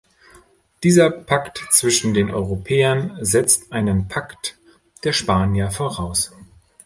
Dieser Pakt zwischen den Europäern setzt einen Pakt der Spanier voraus.